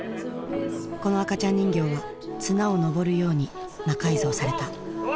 この赤ちゃん人形は綱を登るように魔改造されたお！